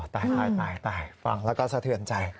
ตายตายฟังแล้วก็สะเทือนใจ